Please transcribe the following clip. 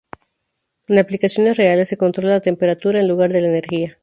En aplicaciones reales, se controla la temperatura en lugar de la energía.